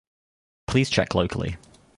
Please check locally.